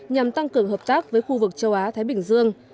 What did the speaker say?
nhằm tăng cường hợp tác với khu vực châu á thái bình dương